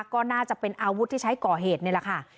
ก็น่าจะเป็นอาวุธที่ใช้ก่อเหตุนี่แหละค่ะ